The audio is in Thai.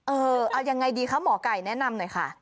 เอายังไงดีคะหมอไก่แนะนำหน่อยค่ะ